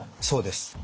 そうです。